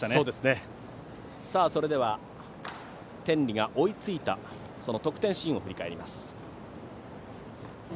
それでは天理が追いついた得点シーンを振り返ります。